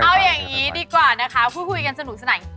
เอาอย่างนี้ดีกว่านะคะพูดคุยกันสนุกสนาน